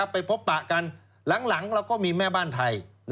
ไปพบปะกันหลังเราก็มีแม่บ้านไทย